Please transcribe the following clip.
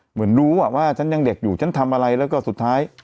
เหมือนรู้ว่าฉันยังเด็กอยู่ฉันทำอะไรแล้วก็สุดท้าย